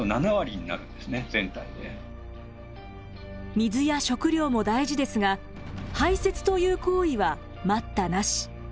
水や食料も大事ですが排せつという行為は待ったなし。